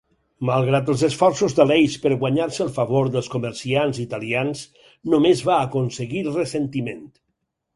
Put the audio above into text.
Malgrat els esforços d'Aleix per guanyar-se el favor dels comerciants italians, només va aconseguir ressentiment.